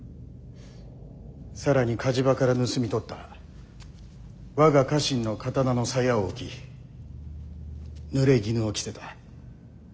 更に火事場から盗み取った我が家臣の刀の鞘を置きぬれぎぬを着せた。